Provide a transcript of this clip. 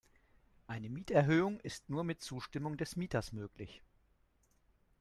Eine Mieterhöhung ist nur mit Zustimmung des Mieters möglich.